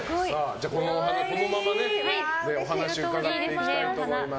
このままお話伺っていきたいと思います。